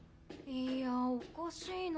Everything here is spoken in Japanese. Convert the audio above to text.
いやおかしいな。